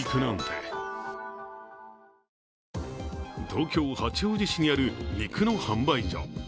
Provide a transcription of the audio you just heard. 東京・八王子市にある肉の販売所。